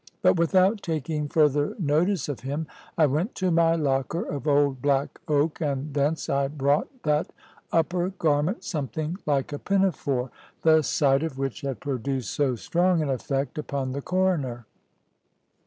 But without taking further notice of him, I went to my locker of old black oak, and thence I brought that upper garment something like a pinafore, the sight of which had produced so strong an effect upon the Coroner.